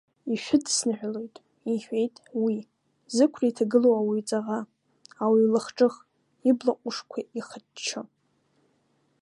Ишәыдысныҳәалоит, — иҳәеит уи, зықәра иҭагылоу ауаҩ ҵаӷа, ауаҩ лахҿых, ибла ҟәышқәа ихаччо.